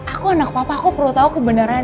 aku anak papa aku perlu tahu kebenaran